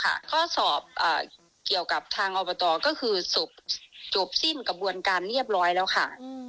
ก็สอบเกี่ยวกับทางอบตก็คือจบสิ้นกระบวนการเรียบร้อยแล้วค่ะ